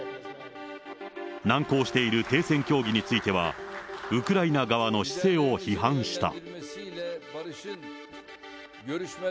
難航している停戦協議については、ウクライナ側の姿勢を批判した。